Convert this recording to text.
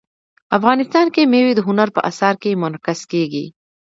افغانستان کې مېوې د هنر په اثار کې منعکس کېږي.